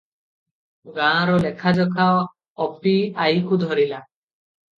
ଗାଁର ଲେଖାଯୋଖା ଅପି ଆଈକୁ ଧରିଲା ।